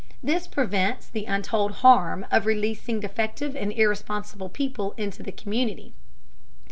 This prevents the untold harm of releasing defective and irresponsible people into the community.